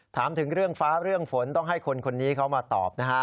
ถามถึงเรื่องฟ้าเรื่องฝนต้องให้คนคนนี้เขามาตอบนะฮะ